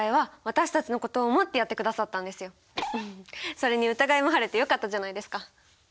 それに疑いも晴れてよかったじゃないですか。